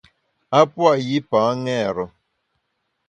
A pua’ yipa ṅêre.